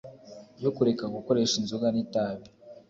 yo kureka gukoresha inzoga nitabi